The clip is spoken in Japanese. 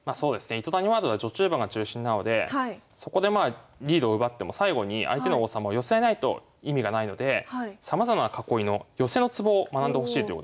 糸谷ワールドは序中盤が中心なのでそこでまあリードを奪っても最後に相手の王様を寄せないと意味がないのでさまざまな囲いの寄せのツボを学んでほしいということですね。